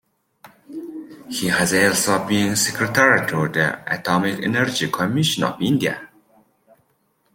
He has also been Secretary to the Atomic Energy Commission of India.